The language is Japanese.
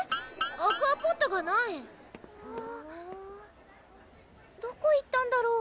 アクアポットがないどこ行ったんだろう